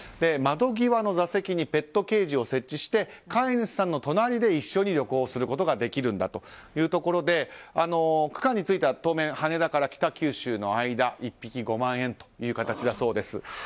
窓際の座席にペットケージを設置して飼い主さんの隣で一緒に旅行することができるということで区間については当面羽田から北九州の間１匹５万円という形だそうです。